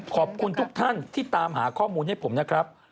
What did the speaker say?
ขอบคุณทุกท่านที่ตามหาข้อมูลให้ผมนะครับ